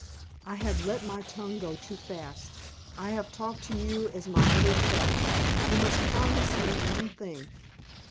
I have let my tongue go too fast. I have talked to you as my other self; you must promise me one thing."